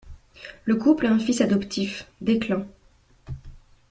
Le couple a un fils adoptif, Declan.